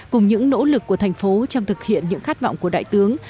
cùng những nỗ lực của thành phố trong thực hiện những khát vọng của đại tướng